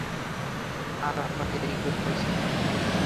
আর, আমরা দেরি করে ফেলেছি।